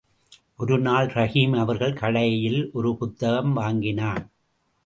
ஒரு நாள் ரஹீம் அவர்கள் கடையில் ஒரு புத்தகம் வாங்கினான்.